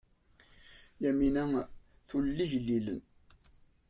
Yamina tulel igellilen.